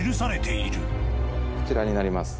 こちらになります。